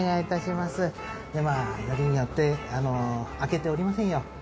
まあよりによって開けておりませんよ